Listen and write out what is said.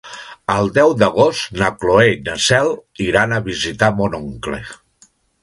El deu d'agost na Cloè i na Cel iran a visitar mon oncle.